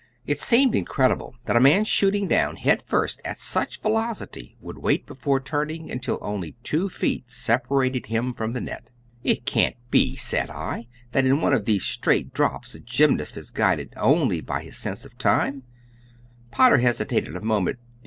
It seemed incredible that a man shooting down, head first, at such velocity would wait before turning until only two feet separated him from the net. [Illustration: CIRCUS PROFESSIONALS PRACTISING A FEAT OF BALANCING.] "It can't be," said I, "that in one of these straight drops a gymnast is guided only by his sense of time?" Potter hesitated a moment.